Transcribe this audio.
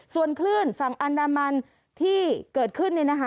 ส่วนคลื่นฝั่งอันดามันที่เกิดขึ้นเนี่ยนะคะ